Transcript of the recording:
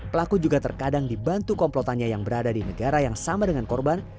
pelaku juga terkadang dibantu komplotannya yang berada di negara yang sama dengan korban